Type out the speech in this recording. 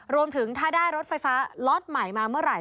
รวมถึงถ้าได้รถไฟฟ้าล็อตใหม่มาเมื่อไหร่